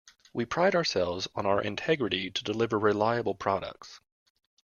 We pride ourselves on our integrity to deliver reliable products.